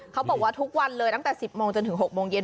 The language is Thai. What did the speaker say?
เขาบอกว่าทุกวันเลยตั้งแต่๑๐โมงจนถึง๖โมงเย็น